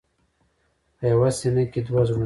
په یوه سینه کې دوه زړونه.